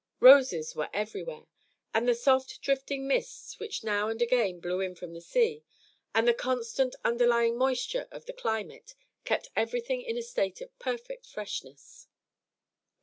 Roses were everywhere; and the soft drifting mists which now and again blew in from the sea, and the constant underlying moisture of the climate kept everything in a state of perfect freshness.